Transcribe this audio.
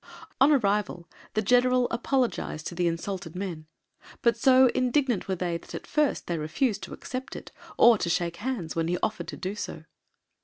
On arrival the General apologised to the insulted men, but so indignant were they that at first they refused to accept it, or to shake hands when he offered to do so.